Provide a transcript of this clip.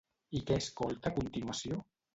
I què escolta a continuació?